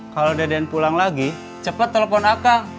kalau deden pulang lagi cepet telepon akang